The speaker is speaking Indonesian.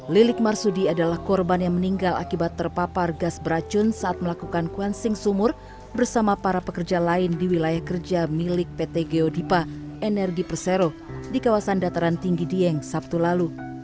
lilik marsudi adalah korban yang meninggal akibat terpapar gas beracun saat melakukan quencing sumur bersama para pekerja lain di wilayah kerja milik pt geodipa energi persero di kawasan dataran tinggi dieng sabtu lalu